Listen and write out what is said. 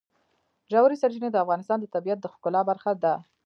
ژورې سرچینې د افغانستان د طبیعت د ښکلا برخه ده.